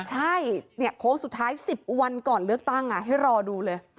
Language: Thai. ใช่โค้งสุดท้าย๑๐วันก่อนเลือกตั้งให้รอดูเลย